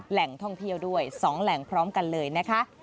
แหล่งท่องเที่ยวด้วย๒แหล่งพร้อมกันเลยนะคะ